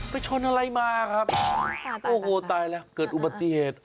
ชนอะไรมาครับโอ้โหตายแล้วเกิดอุบัติเหตุ